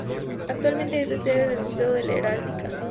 Actualmente es sede del Museo de Heráldica.